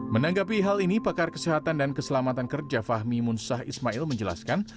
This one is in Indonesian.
menanggapi hal ini pakar kesehatan dan keselamatan kerja fahmi munsah ismail menjelaskan